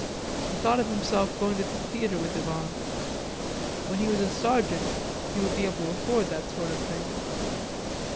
He thought of himself going to the theatre with Yvonne. When he was a sergeant he would be able to afford that sort of thing.